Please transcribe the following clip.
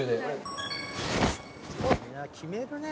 決めるね！